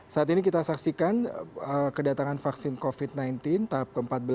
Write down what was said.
saat ini kita saksikan kedatangan vaksin covid sembilan belas tahap ke empat belas